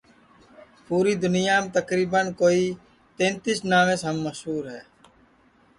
پوری دُنیام تقریباً کوئی تینتیس ناویس ہم مشور ہے